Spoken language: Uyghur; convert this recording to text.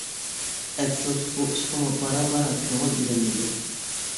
ئەپسۇس، بۇ ئىشقىمۇ بارا-بارا كۆڭۈل بۆلۈنمىدى.